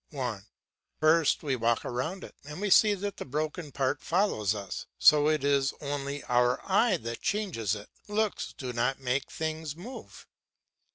1. First we walk round it, and we see that the broken part follows us. So it is only our eye that changes it; looks do not make things move.